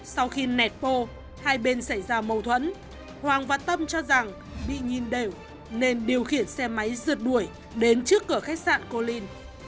sau khi nẹt bô hai bên xảy ra mâu thuẫn hoàng và tâm cho rằng bị nhìn đều nên điều khiển xe máy rượt đuổi đến trước cửa khách sạn colin